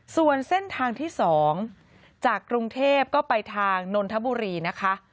ส่วนเส้นทางที่๒จากกรุงเทพก็ไปทางนนทบุรีนะคะ